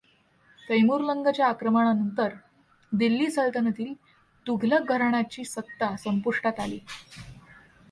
तैमूरलंग च्या आक्रमणानंतर दिल्ली सल्तनतील तुघलक घराण्याची सत्ता संपुष्टात आली.